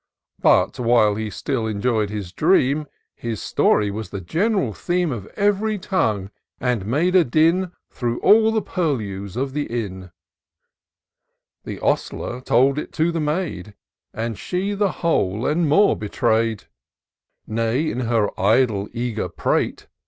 But, while he still enjoy'd his dreaiti, His story was the gen'ral theme I 174 TOUR OF DOCTOR SYNTAX Of ev'ry tongue, and made a din Through all the purlieus of the inn. The ostler told it to the maid. And she the whole, and more, betray'd ; Nay, in her idle, eager prate.